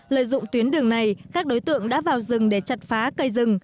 lợi dụng tuyến đường này các đối tượng đã vào rừng để chặt phá cây rừng